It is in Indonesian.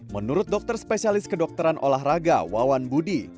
menurut dokter spesialis kedokteran olahraga wawan budi